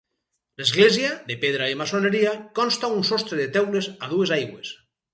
L'església, de pedra i maçoneria, consta un sostre de teules a dues aigües.